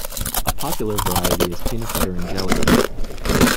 A popular variety is peanut butter and jelly.